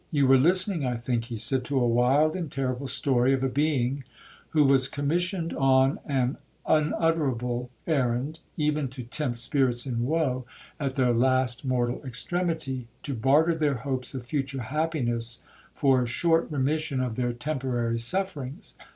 'You were listening, I think,' he said, 'to a wild and terrible story of a being who was commissioned on an unutterable errand,—even to tempt spirits in woe, at their last mortal extremity, to barter their hopes of future happiness for a short remission of their temporary sufferings.'